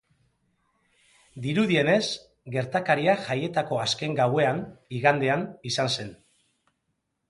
Dirudienez, gertakaria jaietako azken gauean, igandean, izan zen.